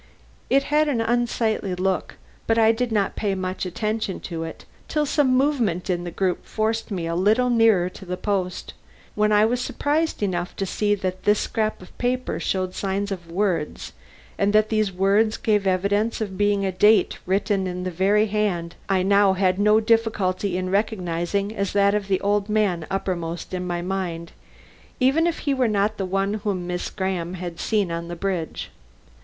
It had an unsightly look, but I did not pay much attention to it till some movement in the group forced me a little nearer to the post, when I was surprised enough to see that this scrap of paper showed signs of words, and that these words gave evidence of being a date written in the very hand I now had no difficulty in recognizing as that of the old man uppermost in my own mind, even if he were not the one whom Miss Graham had seen on the bridge.